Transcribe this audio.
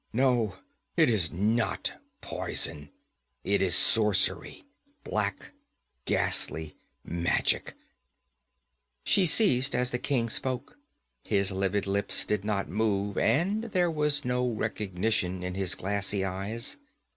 No, it is not poison; it is sorcery black, ghastly magic ' She ceased as the king spoke; his livid lips did not move, and there was no recognition in his glassy eyes.